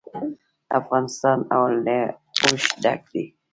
افغانستان له اوښ ډک دی.